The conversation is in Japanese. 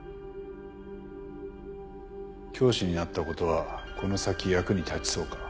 教師になったことはこの先役に立ちそうか？